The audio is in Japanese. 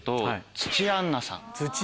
土屋アンナさん。